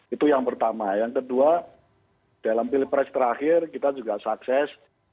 itu yang pertama yang kedua dalam pilpres terakhir kita juga sukses